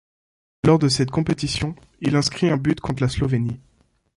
Lors de cette compétition, il inscrit un but contre la Slovénie.